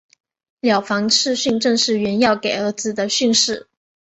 了凡四训正是袁要给儿子的训示。